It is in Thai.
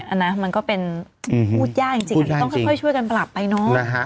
ใช่น่ะมันก็เป็นพูดย่าจริงต้องค่อยใช้การประหลาปไปเนาะ